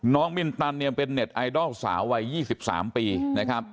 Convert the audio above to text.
น้องมิลตันเป็นนิตไนดอลสาววัย๒๓ปีนะครับ